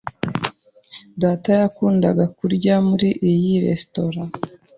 Data yakundaga kurya muri iyi resitora.